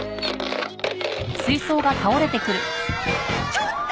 ちょっと！